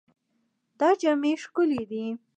دا جامې ښکلې دي.